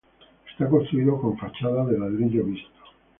Está construido con fachadas de ladrillo visto.